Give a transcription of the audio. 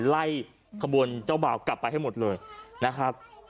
ไล่ขบวนเจ้าบ่าวกลับไปให้หมดเลยนะครับ